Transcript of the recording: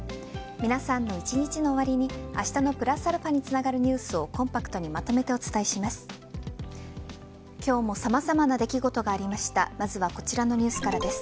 皆さんの一日の終わりにあしたのプラスαにつながるニュースをコンパクトにまとめてお伝えします。